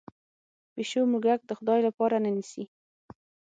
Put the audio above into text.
پیشو موږک د خدای لپاره نه نیسي.